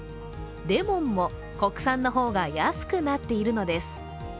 レモンも国産の方が安くなっているのです。